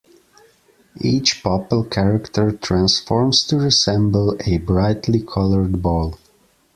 Each Popple character transforms to resemble a brightly colored ball.